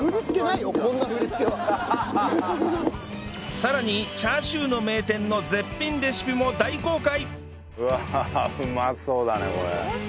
さらにチャーシューの名店の絶品レシピも大公開！